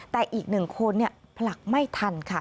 แต่อีก๑คนผลักไม่ทันค่ะ